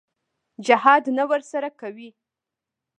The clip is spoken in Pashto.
جهاد نه ورسره کوي.